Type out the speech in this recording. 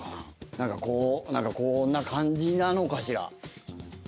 なんかこうこんな感じなのかしら？